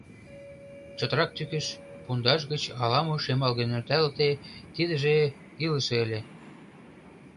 Чотрак тӱкыш — пундаш гыч ала-мо шемалге нӧлталте, тидыже илыше ыле.